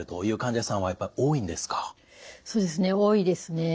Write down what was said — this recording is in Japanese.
そうですね多いですね。